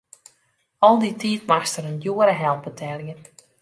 Al dy tiid moast er in djoere help betelje.